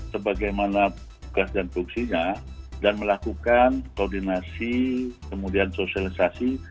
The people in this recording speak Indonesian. sebagai mana tugas dan produksinya dan melakukan koordinasi kemudian sosialisasi